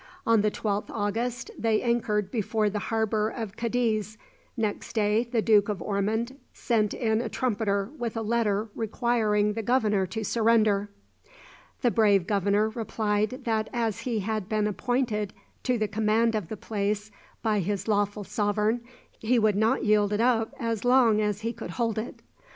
On the 12th August they anchored before the harbour of Cadiz next day the Duke of Ormond sent in a trumpeter with a letter requiring the governor to surrender. The brave governor replied that as he had been appointed to the command of the place by his lawful sovereign, he would not yield it up as long as he could hold it.